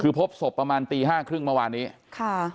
คือพบสบประมาณตี๕๓๐เมื่อวานนี้ค่ะ